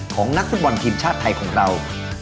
ของนักฟุตบอลทีมชาติไทยของเรา